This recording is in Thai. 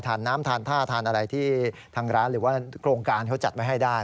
น้ำทานท่าทานอะไรที่ทางร้านหรือว่าโครงการเขาจัดไว้ให้ได้